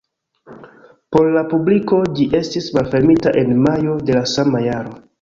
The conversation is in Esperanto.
Por la publiko ĝi estis malfermita en majo de la sama jaro.